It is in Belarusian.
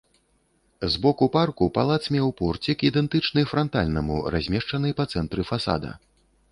З боку парку палац меў порцік, ідэнтычны франтальнаму, размешчаны па цэнтры фасада.